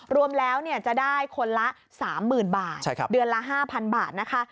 รวมแล้วจะได้คนละ๓๐๐๐บาทเดือนละ๕๐๐บาทนะคะ